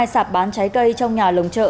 hai sạp bán trái cây trong nhà lồng chợ